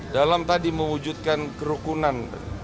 dalam tadi mewujudkan kerukunan